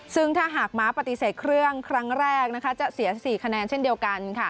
ซึ่งถ้าหากม้าปฏิเสธเครื่องครั้งแรกจะเสีย๔คะแนนเช่นเดียวกัน